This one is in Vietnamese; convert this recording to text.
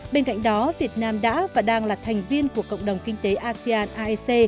bên cạnh đó việt nam đã và đang là thành viên của cộng đồng kinh tế asean aec